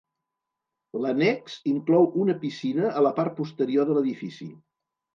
L'annex inclou una piscina a la part posterior de l'edifici.